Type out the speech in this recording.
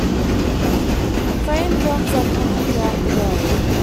Frame drums are common throughout the world.